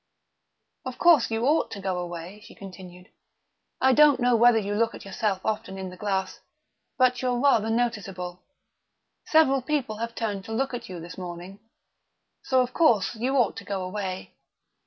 "Of course, you ought to go away," she continued. "I don't know whether you look at yourself often in the glass, but you're rather noticeable. Several people have turned to look at you this morning. So, of course, you ought to go away.